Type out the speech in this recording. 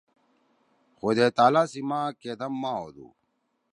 خدئی تعالی سی ماہ کیدم ماہ ہودُو؟